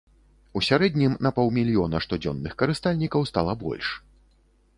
У сярэднім на паўмільёна штодзённых карыстальнікаў стала больш.